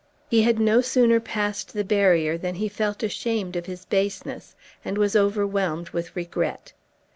He had no sooner passed the barrier than he felt ashamed of his baseness, and was overwhelmed with regret.